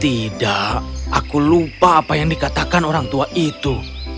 tidak aku lupa apa yang dikatakan orang tua itu